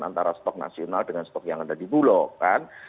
antara stok nasional dengan stok yang ada di bulog kan